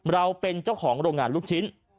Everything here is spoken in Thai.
เราเป็นเจ้าของโรงงานลูกชิ้น